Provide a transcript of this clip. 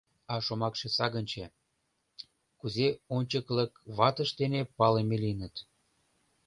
А шомакше сагынче: кузе ончыклык ватышт дене палыме лийыныт?